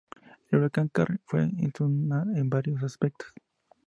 El huracán Karl fue inusual en varios aspectos.